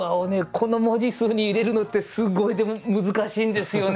この文字数に入れるのってすごい難しいんですよね。